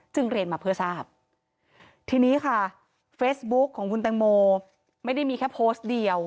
เรียนมาเพื่อทราบทีนี้ค่ะเฟซบุ๊กของคุณแตงโมไม่ได้มีแค่โพสต์เดียว